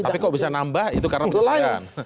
tapi kok bisa nambah itu karena berlebihan